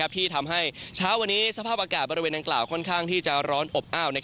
ที่ทำให้เช้าวันนี้สภาพอากาศบริเวณดังกล่าวค่อนข้างที่จะร้อนอบอ้าว